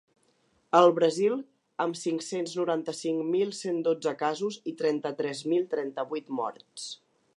El Brasil, amb cinc-cents noranta-cinc mil cent dotze casos i trenta-tres mil trenta-vuit morts.